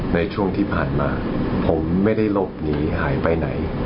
ในช่วงที่ผ่านมาผมไม่ได้หลบหนีหายไปไหน